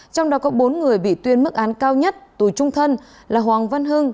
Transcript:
trong đó có bốn người bị tuyên mức án cao nhất tù trung thân là hoàng văn hưng